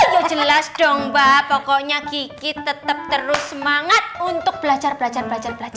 ya jelas dong mba pokoknya kiki tetep terus semangat untuk belajar belajar belajar